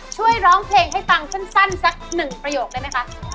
ช่วยร้องเพลงให้ฟังสั้นสักหนึ่งประโยคได้ไหมคะ